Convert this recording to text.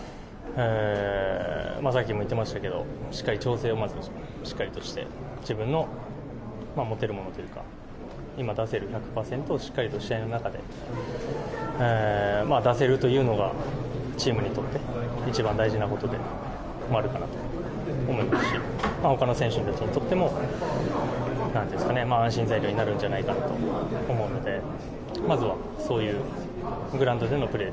さっきも言ってましたけどしっかり調整をして自分の持てるものというか今出せる１００％をしっかりと試合の中で出せるというのがチームにとって一番大事なことでもあるかなと思いますし他の選手たちにとっても安心材料になるんじゃないかなと思うのでまずはそういうグラウンドでのプレー